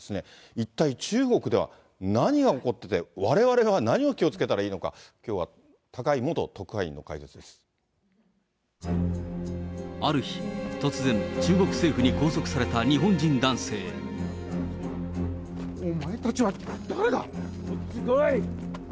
一体、中国では何が起こって、われわれは何を気をつけたらいいのか、きょうは高井元特派員の解ある日、突然、中国政府に拘お前たちは誰だ？